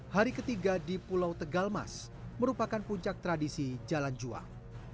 hari ketiga di pulau tegalmas merupakan puncak tradisi jalan juang